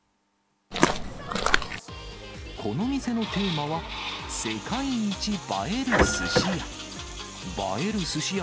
この店のテーマは、世界一映えるすし屋。